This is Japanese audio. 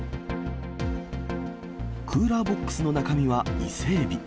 クーラーボックスの中身は伊勢エビ。